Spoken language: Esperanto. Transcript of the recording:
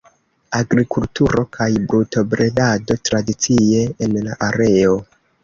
Agrikulturo kaj brutobredado tradicie en la areo.